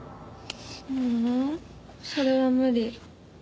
ううんそれは無理。